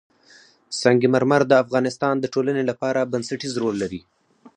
سنگ مرمر د افغانستان د ټولنې لپاره بنسټيز رول لري.